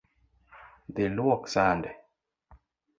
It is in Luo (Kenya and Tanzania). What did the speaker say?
Dhi luok sande